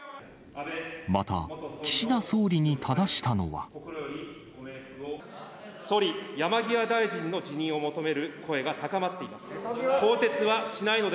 また、総理、山際大臣の辞任を求める声が高まっています。